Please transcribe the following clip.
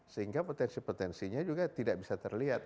sehingga potensi potensinya juga tidak bisa terlihat